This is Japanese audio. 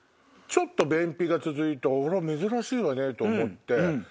ちょっと便秘が続いてあら珍しいわねと思って。